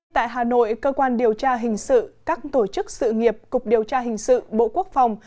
tại hà nội cơ quan điều tra hình sự các tổ chức sự nghiệp cục điều tra hình sự bộ quốc phòng